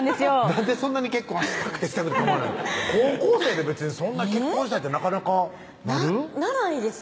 なんでそんなに結婚したくてしたくて高校生って別にそんな結婚したいってなかなかなる？ならないです